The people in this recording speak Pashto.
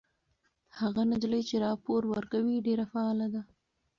هغه نجلۍ چې راپور ورکوي ډېره فعاله ده.